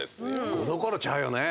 ５どころちゃうよね。